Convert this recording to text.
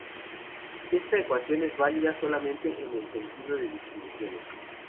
Esta ecuación es válida solamente en el sentido de distribuciones.